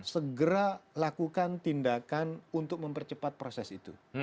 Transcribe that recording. segera lakukan tindakan untuk mempercepat proses itu